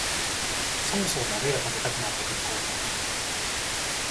そろそろ鍋が食べたくなってくるころだな